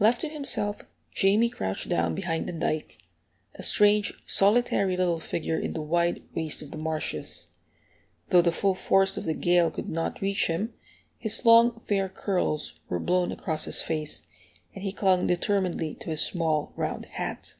Left to himself, Jamie crouched down behind the dike, a strange, solitary little figure in the wide waste of the marshes. Though the full force of the gale could not reach him, his long fair curls were blown across his face, and he clung determinedly to his small, round hat.